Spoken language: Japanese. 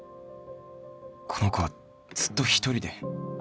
この子はずっと一人で